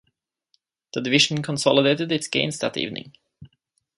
The division consolidated its gains that evening.